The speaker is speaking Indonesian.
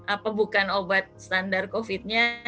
apa bukan obat standar covid nya